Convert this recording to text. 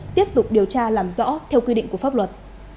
tiếp tục điều tra làm rõ theo quy định của pháp luật